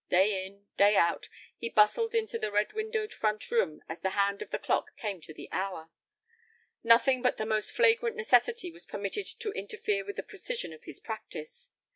Day in, day out, he bustled into the red windowed front room as the hand of the clock came to the hour. Nothing but the most flagrant necessity was permitted to interfere with the precision of his practice.